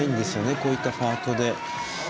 こういったパートで。